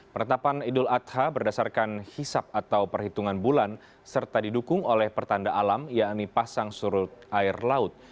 penetapan idul adha berdasarkan hisap atau perhitungan bulan serta didukung oleh pertanda alam yakni pasang surut air laut